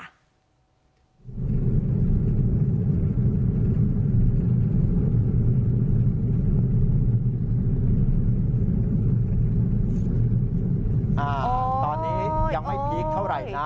อ่าตอนนี้ยังไม่พีคเท่าไหร่นะ